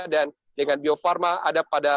dengan bio farma ada pada